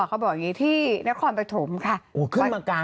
เขาบอกอย่างนี้ที่ณครรภูมิสาวบ่ธมค่ะ